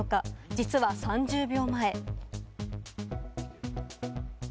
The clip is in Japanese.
実は３０秒前。